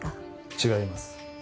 違います。